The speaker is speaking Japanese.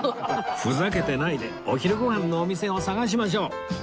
ふざけてないでお昼ご飯のお店を探しましょう